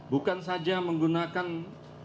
bukan saja menggunakan benda benda yang keras